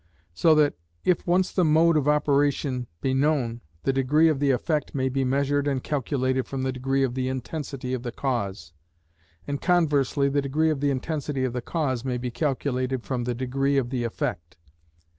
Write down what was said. So that, if once the mode of operation be known, the degree of the effect may be measured and calculated from the degree of the intensity of the cause; and conversely the degree of the intensity of the cause may be calculated from the degree of the effect.